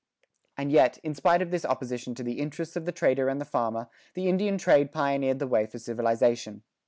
And yet, in spite of this opposition of the interests of the trader and the farmer, the Indian trade pioneered the way for civilization.